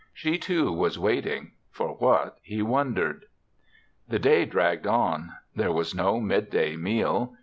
She, too, was waiting — for what, he wondered. The day dragged on. There was no midday meal.